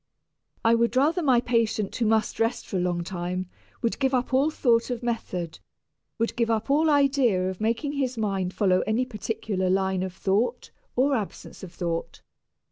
I would rather my patient who must rest for a long time would give up all thought of method, would give up all idea of making his mind follow any particular line of thought or absence of thought.